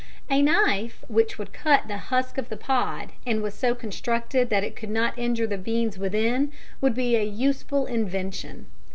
A knife which would cut the husk of the pod and was so constructed that it could not injure the beans within, would be a useful invention.